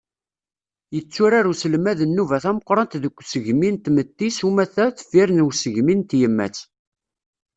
Yetturar uselmad nnuba tameqqṛant deg usegmi n tmetti s umata deffir n usegmi n tyemmat.